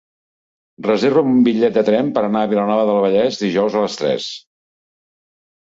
Reserva'm un bitllet de tren per anar a Vilanova del Vallès dijous a les tres.